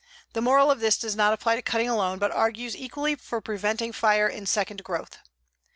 The moral of this does not apply to cutting alone, but argues equally for preventing fire in second growth.